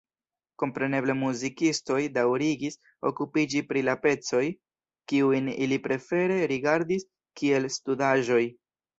Kompreneble muzikistoj daŭrigis okupiĝi pri la pecoj, kiujn ili prefere rigardis kiel studaĵoj.